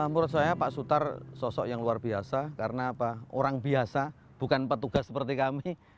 menurut saya pak sutar sosok yang luar biasa karena orang biasa bukan petugas seperti kami